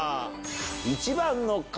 １番の方